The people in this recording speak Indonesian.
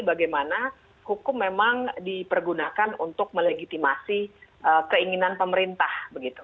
bagaimana hukum memang dipergunakan untuk melegitimasi keinginan pemerintah